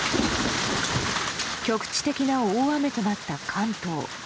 局地的な大雨となった関東。